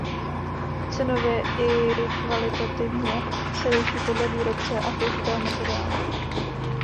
Cenově i kvalitativně se liší podle výrobce a použitého materiálu.